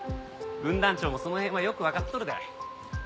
分団長もその辺はよくわかっとるで。